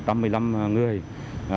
thì hiện nay trên địa bàn tỉnh